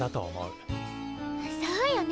そうよね。